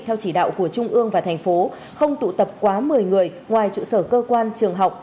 theo chỉ đạo của trung ương và thành phố không tụ tập quá một mươi người ngoài trụ sở cơ quan trường học